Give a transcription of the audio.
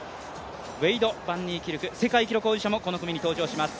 ウェイド・バンニーキルク世界記録保持者もこの組に登場します。